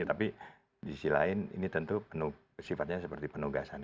tapi di sisi lain ini tentu penuh sifatnya seperti penugasan